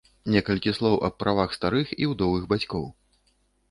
Некалькі слоў аб правах старых і ўдовых бацькоў.